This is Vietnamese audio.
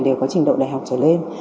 đều có trình độ đại học trở lên